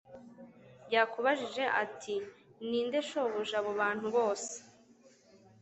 Yakubajije ati Ninde shobuja abo bantu bose